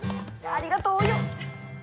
ありがとうお葉！